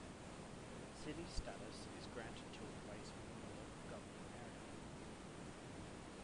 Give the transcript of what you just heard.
City status is granted to a place within a local government area.